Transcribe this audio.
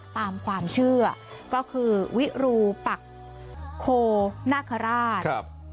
ตามความเชื่อก็คือวิรูปักโคนาคาราช